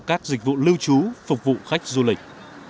các dịch vụ lưu trú phục vụ khách du lịch